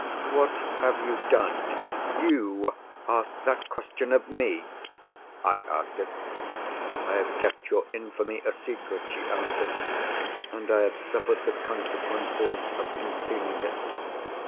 "What have you done! You ask that question of me?" "I ask it." "I have kept your infamy a secret," she answered. "And I have suffered the consequences of concealing it.